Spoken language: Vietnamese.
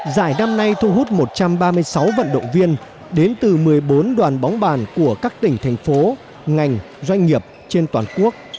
giải năm nay thu hút một trăm ba mươi sáu vận động viên đến từ một mươi bốn đoàn bóng bàn của các tỉnh thành phố ngành doanh nghiệp trên toàn quốc